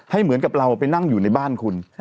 เหมือนกับเราไปนั่งอยู่ในบ้านคุณ